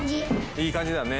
いい感じだね。